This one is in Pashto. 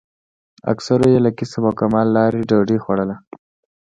اکثرو یې له کسب او کمال لارې ډوډۍ خوړله.